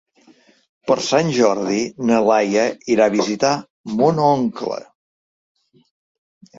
Per Sant Jordi na Laia irà a visitar mon oncle.